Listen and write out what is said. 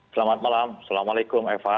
selamat malam assalamualaikum eva